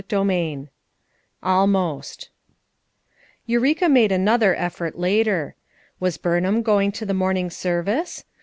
CHAPTER XV ALMOST Eukeka made another effort later. Was Buriiham going to the morning service?